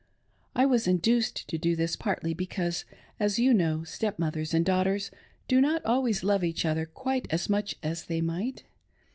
I was induced to do this partly because, as you know, step mothers and daughters do not always love each other quite "as much as they might.